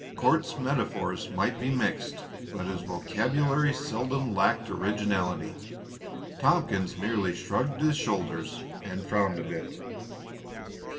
Court's metaphors might be mixed, but his vocabulary seldom lacked originality. Tompkins merely shrugged his shoulders and frowned a bit.